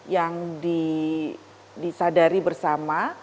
yang disadari bersama